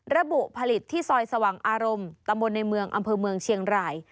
ระบุผลิตที่ซอยสว่างอารมณ์ตำบลในเมืองอำเภอเมืองเชียงราย